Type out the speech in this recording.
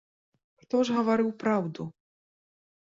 Хто ж гаварыў праўду?